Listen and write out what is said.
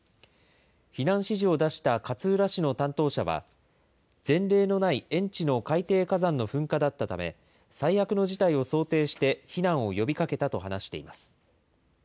避難指示を出した勝浦市の担当者は、前例のない遠地の海底火山の噴火だったため、最悪の事態を想定して避難を呼びかけたと話しています。